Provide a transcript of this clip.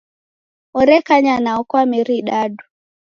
Orekanya nao kwa meri idadu.